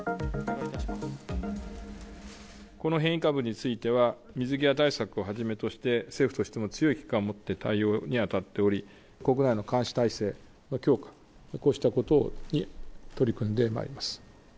この変異株については、水際対策をはじめとして、政府としても強い危機感を持って対応に当たっており、国内の監視体制の強化、こうしたことに取り組んでまいります。